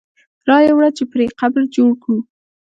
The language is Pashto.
را یې وړه چې پرې قبر جوړ کړو.